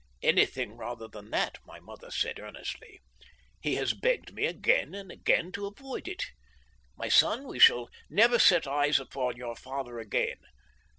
"'Anything rather than that,' my mother said earnestly. 'He has begged me again and again to avoid it. My son, we shall never set eyes upon your father again.